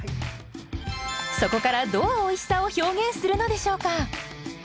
そこからどうおいしさを表現するのでしょうか。